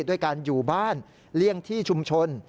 ด้วยการอยู่บ้านเลี่ยงที่ชุมชน